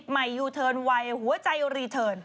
ใหม่ยูเทิร์นวัยหัวใจรีเทิร์น